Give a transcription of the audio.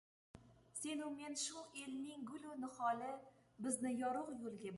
Bir syurprizimiz bor.